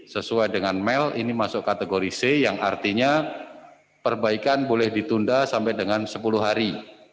sesuai dengan mel ini masuk kategori c yang artinya perbaikan boleh ditunda sampai dengan sepuluh hari